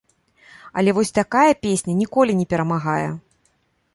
Але вось такая песня ніколі не перамагае.